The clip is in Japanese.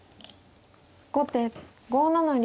後手５七竜。